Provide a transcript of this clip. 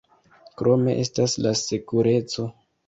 Krome estas la sekureco.